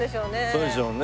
そうでしょうね。